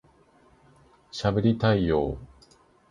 しゃべりたいよ～